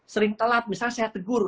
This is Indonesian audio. sering telat misalnya sehat guru